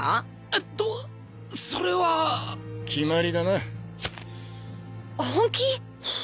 えっとそれは決まりだな本気？